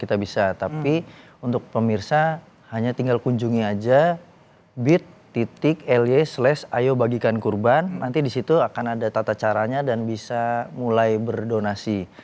tapi untuk pemirsa hanya tinggal kunjungi aja bit ly slash ayo bagikan kurban nanti di situ akan ada tata caranya dan bisa mulai berdonasi